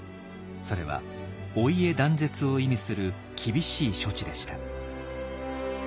それはお家断絶を意味する厳しい処置でした。